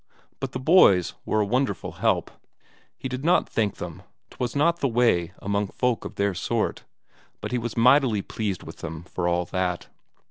But the boys were a wonderful help. He did not thank them; 'twas not the way among folk of their sort, but he was mightily pleased with them for all that.